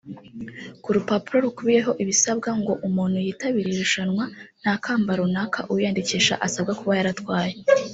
Ku rupapuro rukubiyeho ibisabwa ngo umuntu yitabire iri rushanwa nta kamba runaka uwiyandikisha asabwa kuba yaratwaye